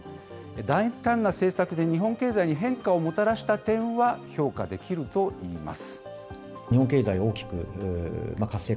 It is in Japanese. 大胆な政策で、日本経済に変化をもたらした点は評価できるといいます。